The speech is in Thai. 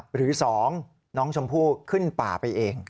หรือ๒น้องชมพู่ขึ้นป่าไปเอง